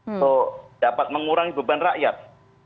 untuk dapat mengurangi beban rakyat